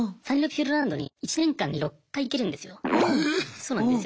そうなんですよ。